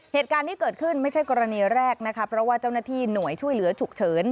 เหตุการณ์ที่เกิดขึ้นไม่ใช่กรณีแรกนะคะเพราะว่าเจ้าหน้าที่หน่วยช่วยเหลือฉุกเฉิน